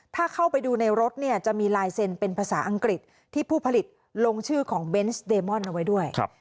ถ้าเข้าไปดูในรถเนี่ยจะมีลายเซ็นเป็นภาษาอังกฤษที่ผู้ผลิตลงชื่อของเบนส์เดมอนเอาไว้ด้วย